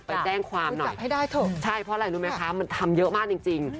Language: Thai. ไปแด้งความหน่อยใช่เพราะอะไรรู้ไหมคะมันทำเยอะมากจริง